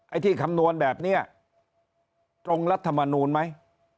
ไอ้ที่คำนวณแบบนี้ตรงรัฐมนูลไหม